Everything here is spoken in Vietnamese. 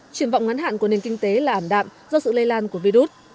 chuyển vọng ngắn hạn của nền kinh tế là ảm đạm do sự lây lan của virus